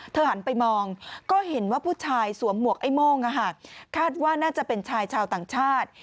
หันไปมองก็เห็นว่าผู้ชายสวมหมวกไอ้โม่งคาดว่าน่าจะเป็นชายชาวต่างชาติ